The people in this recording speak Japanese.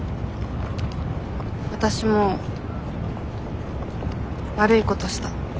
わたしも悪いことした。